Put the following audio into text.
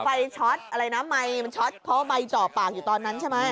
ช็อตอะไรนะไมค์มันช็อตเพราะว่าใบเจาะปากอยู่ตอนนั้นใช่ไหม